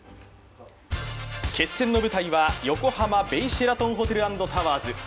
決戦の舞台は横浜ベイシェラトンホテル＆タワーズ。